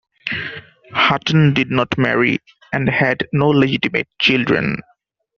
Hutton did not marry and had no legitimate children.